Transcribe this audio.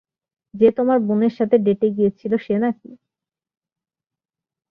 যে তোমার বোনের সাথে ডেটে গিয়েছিল সে নাকি?